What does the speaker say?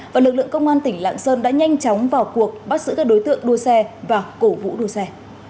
và lực lượng công an tỉnh lạng sơn đã nhanh chóng vào cuộc bắt giữ các đối tượng đua xe và cổ vũ đua xe